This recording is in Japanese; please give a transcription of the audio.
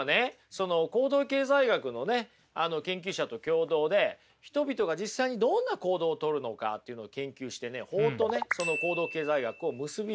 その行動経済学のね研究者と共同で人々が実際にどんな行動をとるのかというのを研究してね法とねその行動経済学を結び付けました。